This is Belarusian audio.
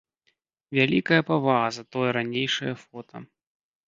Вялікая павага за тое ранейшае фота.